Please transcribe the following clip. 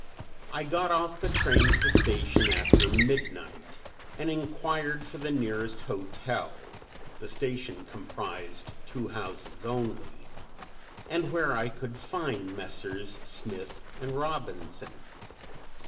I got off the train at the station after midnight, and enquired for the nearest hotel (the station comprised two houses only), and where I could find Messrs. Smith and Robinson.